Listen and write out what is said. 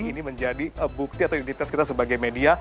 ini menjadi bukti atau identitas kita sebagai media